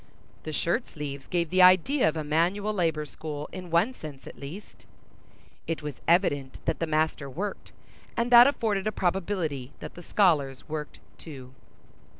The shirt sleeves gave the idea of a manual labor school in one sense at least. It was evident that the master worked, and that afforded a probability that the scholars worked too.